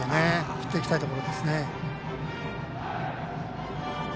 振っていきたいところですね。